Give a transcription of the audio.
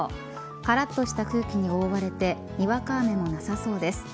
からっとした空気に覆われてにわか雨もなさそうです。